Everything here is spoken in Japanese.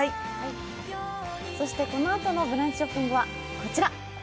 そしてこのあとの「ブランチショッピング」はこちら。